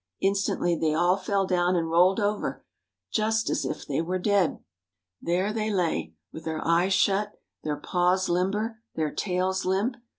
Instantly they all fell down and rolled over, just as if they were dead. There they lay, with their eyes shut, their paws limber, their tails limp.